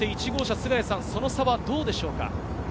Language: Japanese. １号車・菅谷さん、その差はどうでしょうか？